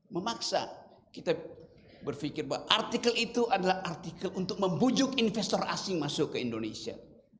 memaksa kita berpikir bahwa artikel itu adalah artikel untuk membujuk investor asing masuk ke indonesia